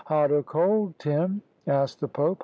"Hot or cold, Tim?" asked the Pope.